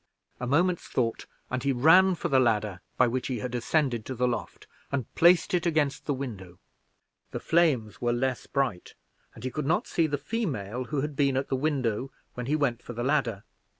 A moment's thought, and he ran for the ladder by which he had ascended to the loft, and placed it against the window. The flames were less bright, and he could not see the female who had been at the window when lie went for the ladder.